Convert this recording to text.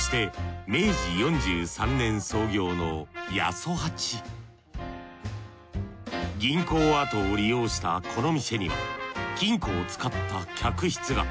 そして銀行跡を利用したこの店には金庫を使った客室が。